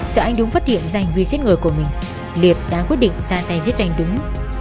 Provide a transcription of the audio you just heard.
sợ anh đúng phát hiện danh vì giết người của mình liệt đã quyết định ra tay giết anh đúng